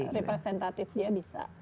tapi kan ada representatif dia bisa